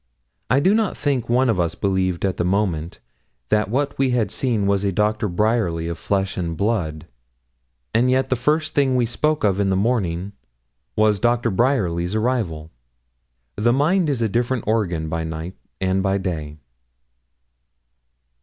I do not think one of us believed at the moment that what we had seen was a Doctor Bryerly of flesh and blood, and yet the first thing we spoke of in the morning was Doctor Bryerly's arrival. The mind is a different organ by night and by day.